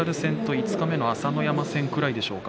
五日目の朝乃山戦くらいでしょうか。